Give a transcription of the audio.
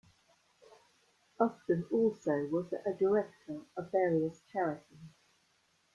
Austin also was a director of various charities.